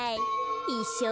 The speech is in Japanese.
いっしょう